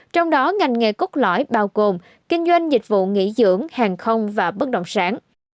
trong đó ngành nghề cốt lõi bao gồm kinh doanh dịch vụ nghỉ dưỡng hàng không và bất động sản